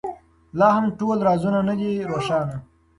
لا هم ټول رازونه نه دي روښانه.